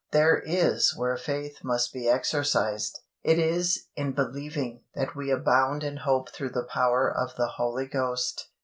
there is where faith must be exercised. It is "in believing" that we "abound in hope through the power of the Holy Ghost."